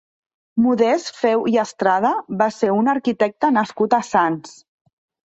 Modest Feu i Estrada va ser un arquitecte nascut a Sants.